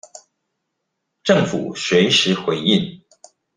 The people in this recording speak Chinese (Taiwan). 政府隨時回應